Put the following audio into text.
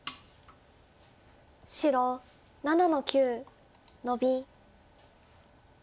白７の九ノビ。